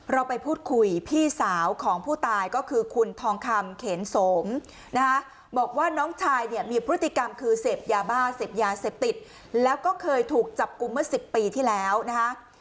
เราไปพูดคุยพี่สาวของผู้ตายก็คือคุณทองคำเขนโสมนะคะบอกว่าน้องชายเนี่ยมีพฤติกรรมคือเสพยาบ้าเสพยาเสพติดแล้วก็เคยถูกจับกลุ่มเมื่อ๑๐ปีที่แล้วนะคะ